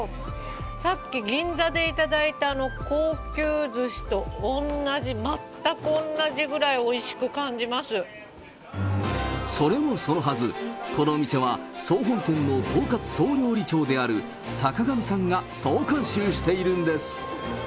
さっき、銀座で頂いた高級ずしとおんなじ、それもそのはず、このお店は総本店の統括総料理長である坂上さんが総監修しているんです。